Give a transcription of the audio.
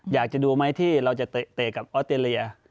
อยากจะดูไหมที่เราจะเตะกับออสเตรเลีย